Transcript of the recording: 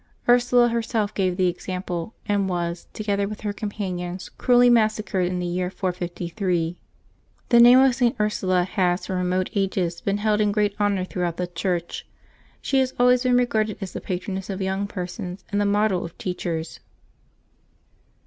Ursula herself gave the example, and was, together with her companions, cruelly massacred in the year 453. The name of St. Ursula has from remote ages been held in great honor throughout the Church; she has always been regarded as the patroness of young persons and the model of teachers.